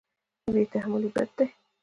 بې تحملي بد دی.